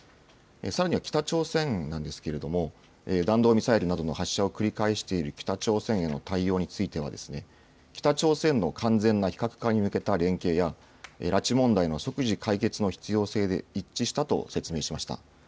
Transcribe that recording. さらには北朝鮮なんですけれども、弾道ミサイルなどの発射を繰り返している北朝鮮への対応については、北朝鮮の完全な非核化に向けた連携や、拉致問題の即時解決の必要性で一致したと説明しました。